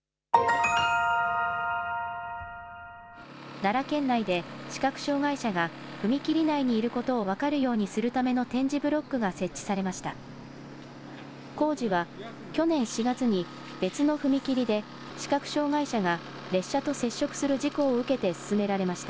奈良県内で、視覚障害者が踏切内にいることを分かるようにするための点字ブロックが設置されました。